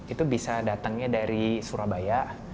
itu bisa datangnya dari surabaya